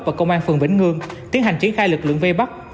và công an phường vĩnh ngương tiến hành triển khai lực lượng vai bắt